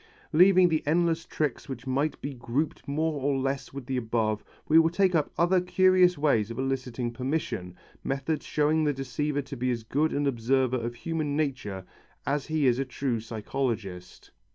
Leaving the endless tricks which might be grouped more or less with the above we will take up other curious ways of eliciting permission, methods showing the deceiver to be as good an observer of human nature as he is a true psychologist.